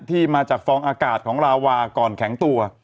ที่มาจากฟองอากาศของลาวาก่อนแข็งตัว